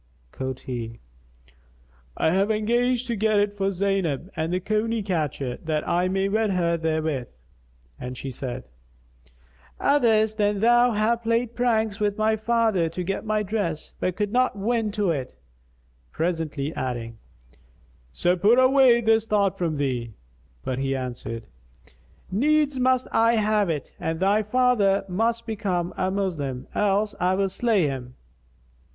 Quoth he, "I have engaged to get it for Zaynab the Coney catcher, that I may wed her therewith." And she said, "Others than thou have played pranks with my father to get my dress, but could not win to it," presently adding, "So put away this thought from thee." But he answered, "Needs must I have it, and thy father must become a Moslem, else I will slay him."